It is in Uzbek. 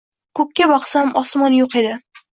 Koʻkka boqsam: osmon yoʻq edi